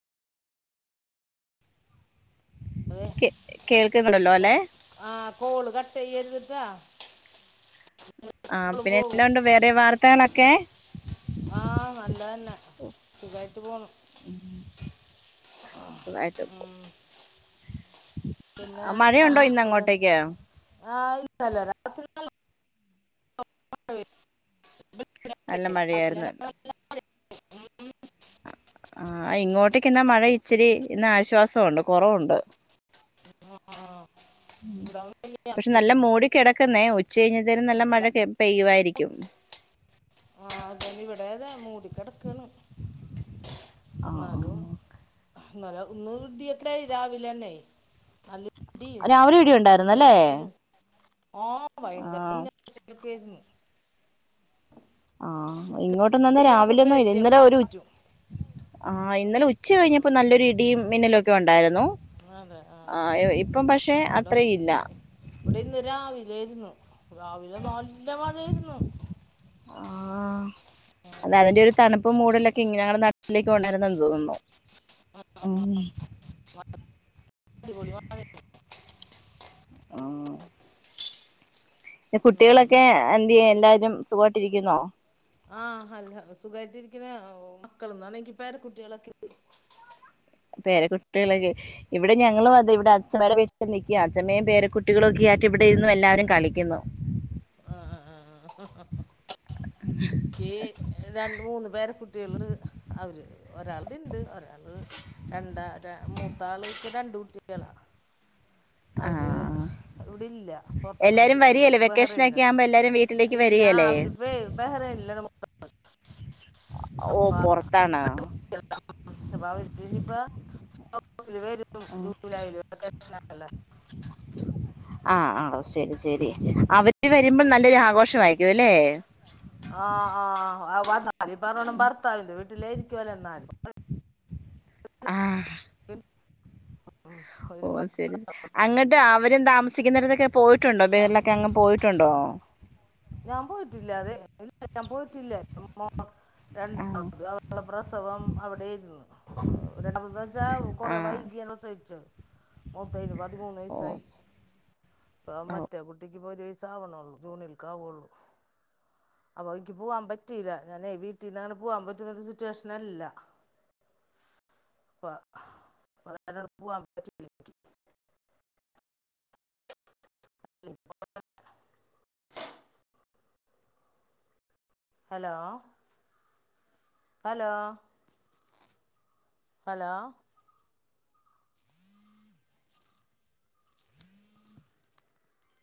അതെ കേ കേൾക്കുന്നുണ്ടല്ലോ കോ അല്ലെ ആഹ് കോള് കട്ടെയ്യെര്ത് ട്ടാ ആഹ് പിന്നെ എന്നാ ഉണ്ട് വേറെ വറ്ത്താനൊക്കേ ആഹ് നല്ലതന്നെ സുഖായിട്ട് പോണു ആഹ് സുഖായിട്ട് ഉം പോണ് പിന്നെ മഴയുണ്ടോ ഇന്ന് പിത അങ്ങോട്ടേക്ക് ആഹ് അല്ല രാത്രി [unintelligible] നല്ല മഴയായിരുന്നു ഇല്ല ആഹ് ഇങ്ങോട്ടേയ്ക്ക് ഇന്നാ മഴ ഇച്ചിരി ഇന്ന് ആശ്വാസവുണ്ട് കൊറവുണ്ട് അഹ് ആഹ് ആഹ് [unintelligible] താൻ കിട്ടോങ്കി [unintelligible] പക്ഷെ നല്ല മൂടി കെടക്ക്‌ന്നേ ഉച്ച കഴിഞ്ഞ് എന്തായാലും നല്ല മഴക്കെ പെയ്യുവായിരിക്കും ആഹ് അതെ ഇവിടെ അതെ മൂടി കെടക്കാണ് ആ ഇന്നാലും ഇന്നലെ ഇന്ന് ഇടി ഒക്കെണ്ടായി രാവിലെ തന്നെയ് നല്ല രാവിലെ ഇടി ഉണ്ടായിരുന്ന് അല്ലേ ആഹ് ഭയങ്കര [unintelligible] ക്കേര്ന്നു ആഹ് ഇങ്ങോട്ടൊന്നും എന്നാ രാവിലെ ഒന്നും ഇല്ല ഇന്നലെ ഒരു ഉ കാറ്റും ആഹ് ഇന്നലെ ഉച്ച ഉം. കഴിഞ്ഞപ്പോ നല്ലൊരു ഇടിയും മിന്നലൊക്കെ ഒക്കെ ഉണ്ടായിരുന്നു അതെ ആ ആ ഇപ്പം പക്ഷെ ഇവിടെ അത്രയില്ല ഇവിടെ ഇന്ന് രാവിലൊയിരുന്നു രാവിലെ നല്ല മഴയായിരുന്നു ആഹ് അതാ അതിന്റെ ഒരു തണുപ്പ് മൂടെ ലൊക്കെ ഇങ്ങെ ഞങ്ങളുടെ നട്ടിലേക്ക് ഉണ്ടായിരുന്നെന്ന് തോന്നുന്നു ഉം അടിപളി [inaudible] ആ ഉം. കുട്ടികളൊക്കെ എന്ത് യ്യാ എല്ലാവാരും സുഖമായിട്ടിരിക്കുന്നോ ആഹ് അല്ല സുഖമായിട്ടിരിക്കുന്ന മക്കളൊന്നാണെങ്കി എനിക്ക് പേരകുട്ടികളൊക്കെ പേരെ കുട്ടികളൊക്കെ ഇവിടെ ഞങ്ങളും അതെ ഇവിടെ അച്ചമ്മയുടെ വീട്ടിൽ നിൽകുവാ അച്ഛമ്മയും പേര കുട്ടികളൊക്കെ ആയിട്ട് ഇവിടെ ഇന്ന് എല്ലാവരും കളിക്കുന്നു ആ ആ ആ ആ ആ ഈ രണ്ട് മൂന്ന് പേര കുട്ടികൾ അവര് ഒരാളുടെ ഇണ്ട് ഒരാള് രണ്ടാ മൂത്താൾക്ക് രണ്ട് കുട്ടികളാ [inaudible] അവര് ആഹ് ഇവിടെല്ല പൊറതാണ് എല്ലാരും അവര് അവര് വരികേലേ വെക്കേഷനൊക്കെ ബഹറയിനില്ലാണ് ആകുമ്പോ എല്ലാരും വീട്ടിലേക്ക് ഇല്ല വരികേലേ അവർ പ്പ ബഹറൻ ല്ല ഓ പുറത്താണോ [inaudible] ജൂലൈ [inaudible] [inaudible] ആഹ് ആ ശരി ശരി അവര് വരുമ്പോൾ നല്ലൊരു ആഘോഷം ആയിരിക്കും അല്ലെ ആഹ് ആഹ് വന്നാൽ ഇപ്പം ഭർത്താവിൻ്റെ വീട്ടിലോയിരിക്കുവല്ലേ എന്നാല് ആഹ് [unintelligible] ഉം. ഒരു ഓ മാസം സരി ഉണ്ടാവില്ലേ? അങ്ങട്ട് അവരും ഉം. താമിക്കുന്നടത്തൊക്കെ പോയിട്ടുണ്ടോ ബഹറിലൊക്കെ അങ് പോയിട്ടുണ്ടോ ഞാൻ പോയിട്ടില്ല അതെ ഇല്ല ഞാൻ പോയിട്ടില്ല ആഹ് രണ്ടാമത് അവളുടെ പ്രസവം അവിടെയിരുന്നു രണ്ട് മൂന്നന്ന് വെച്ചാ കൊറ ആഹ് വൈകിയാണ് സഹിച്ചു മൂത്തയ്ൻ പതിമൂന്ന് ഓ വയസ്സായി ഇപ്പ ഓ മറ്റേ കുട്ടിക്കിപ്പൊ ഒരു വയസ്സ് ആവണള്ളൂ ജൂണിൽ കാവൊള്ളൂ അപ്പൊ എനിക്ക് പോവാൻ പറ്റില്ല ഞാനേ വീട്ടിൽന്ന് അങ്ങനെ പോവാൻ പറ്റുന്നരു സിറ്റുവേഷനല്ല [inaudible] അപ്പ [unintelligible] പോവാൻ പറ്റില്ല എനിക്ക് [unintelligible] ഹലോ ഹലോ ഹലോ